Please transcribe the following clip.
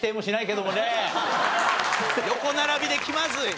横並びで気まずい！